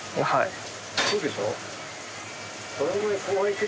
はい。